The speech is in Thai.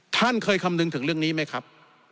ท่านเคยคำนึงถึงเรื่องนี้ไหมครับ